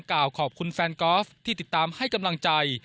กล่าวขอบคุณแฟนกอล์ฟที่ติดตามให้กำลังใจ